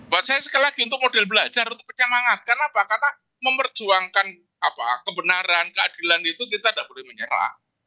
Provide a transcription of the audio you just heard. buat saya sekali lagi untuk model belajar untuk penyemangatkan apa karena memperjuangkan kebenaran keadilan itu kita tidak boleh menyerah